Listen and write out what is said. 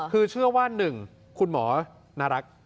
คือเชื่อว่า๑คุณหมอน่ารัก